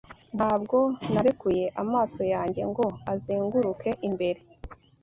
Ntabwo narekuye amaso yanjye ngo azenguruke imbere